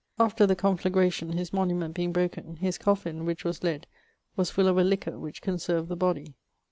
After the conflagration his monument being broken, his coffin, which was lead, was full of a liquour which conserved the body.